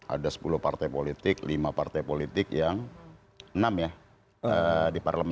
ada sepuluh partai politik lima partai politik yang enam ya di parlemen